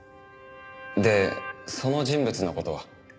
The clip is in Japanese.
でその人物の事は？